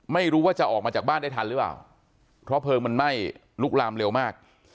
ไม่รู้ว่าจะออกมาจากบ้านได้ทันหรือเปล่าเพราะเพลิงมันไหม้ลุกลามเร็วมาก